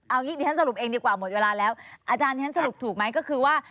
เอางี้เดี๋ยวฉันสรุปเองดีกว่าหมดเวลาแล้วอาจารย์ฉันสรุปถูกไหมก็คือว่า